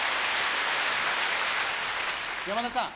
山田さん。